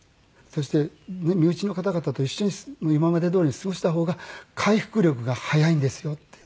「そして身内の方々と一緒に今までどおりに過ごした方が回復力が早いんですよ」って。